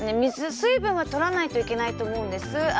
水分はとらないといけないと思うんです。